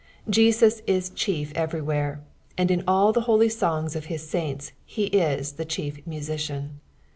Jeaus is chi^ everywhere, and inalithe holy songs of hia salnU he is the chi^ mimician.